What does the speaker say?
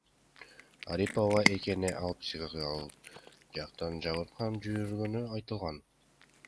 Арипова экени, ал психикалык жактан жабыркап жүргөнү айтылган.